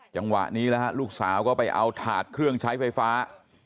จังหวะนี้นะฮะลูกสาวก็ไปเอาถาดเครื่องใช้ไฟฟ้า